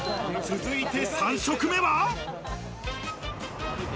続いて３食目は。